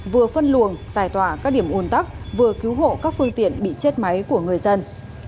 vừa phân luồng giải tỏa các điểm ồn tắc vừa cứu hộ các phương tiện bị chết máy của người dân